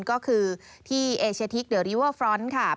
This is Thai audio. ก็คือที่เอเชียทิกเดอริเวอร์ฟรอนด์ค่ะ